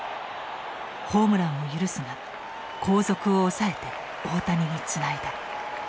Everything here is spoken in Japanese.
ホームランを許すが後続を抑えて大谷につないだ。